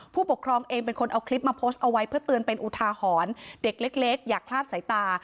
ผู้ปกครองเองเป็นคนเอาคลิปมาโพสต์เอาไว้เพื่อเตือนเป็นอุทาหรณ์เด็กเล็กอย่าคลาดสายตา